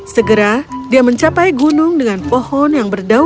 segera dia mencapai gunung dengan pohon yang berdaun ungu